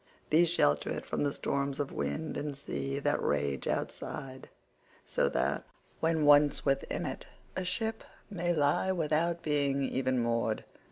These shelter it from the storms of wind and sea that rage outside, so that, when once within it, a ship may lie without being even moored.